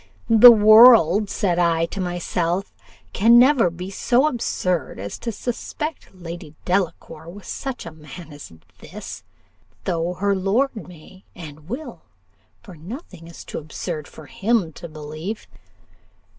The world, said I to myself, can never be so absurd as to suspect Lady Delacour with such a man as this, though her lord may, and will; for nothing is too absurd for him to believe.